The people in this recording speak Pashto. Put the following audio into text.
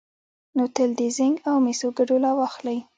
نو تل د زېنک او مسو ګډوله واخلئ،